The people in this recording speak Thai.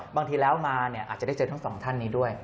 บางทีแล้วมาเนี่ยอาจจะได้เจอทั้งสองท่านนี้ด้วย